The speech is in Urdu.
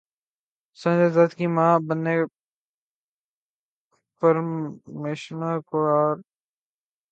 سنجے دت کی ماں بننے پرمنیشا کوئرالا خوش